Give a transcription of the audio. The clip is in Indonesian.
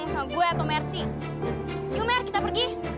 kamu gak perlu bayar